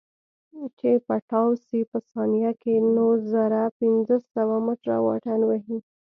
چې پټاو سي په ثانيه کښې نو زره پنځه سوه مټره واټن وهي.